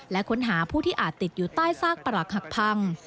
และค้นหาผู้ที่อาจติดอยู่ใต้ซากปรักหักพัง